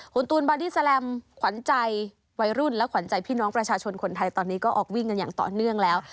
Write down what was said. คุณตูนบอดี้แลมขวัญใจวัยรุ่นและขวัญใจพี่น้องประชาชนคนไทยตอนนี้ก็ออกวิ่งกันอย่างต่อเนื่องแล้ว